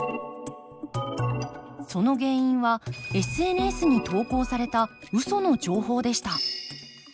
その原因はＳＮＳに投稿されたウソの情報でした。